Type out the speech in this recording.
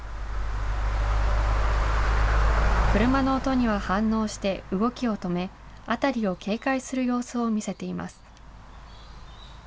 車の音には反応して動きを止め、辺りを警戒する様子を見せています。